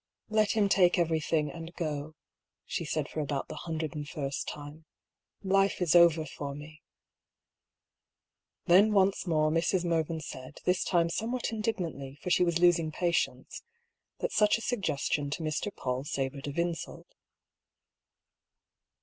" Let him take everything, and go," she said for about the hundred and first time. " Life is over for me." Then once more Mrs. Mervyn said, this time some what indignantly, for she was losing patience, that such a suggestion to Mr. PauU savoured of insult.